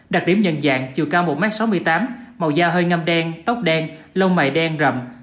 đặc điểm nhận dạng chiều cao một m sáu mươi tám màu da hơi ngâm đen tóc đen lông mại đen rậm